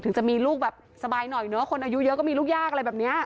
จะมีลูกแบบสบายหน่อยเนอะคนอายุเยอะก็มีลูกยากอะไรแบบนี้